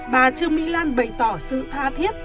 bà trương mỹ lan bày tỏ sự tha thiết